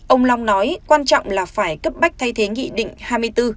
ông long nói quan trọng là phải cấp bách thay thế nghị định hai mươi bốn